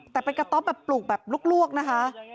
แต่เป็นกระต๊อปแบบปลูกแบบลวกนะคะ